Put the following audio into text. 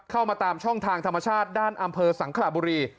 เข้ามาตามช่องทางธรรมชาติด้านอำเภอสังขระบุรี